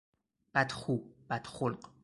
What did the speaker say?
بد خو، بد خلق